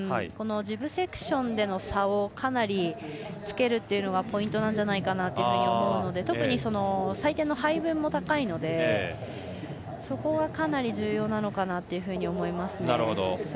このジブセクションでの差をかなりつけるというのがポイントなんじゃないかなと思うので特に採点の配分も高いのでそこがかなり重要なのかなというふうに思います。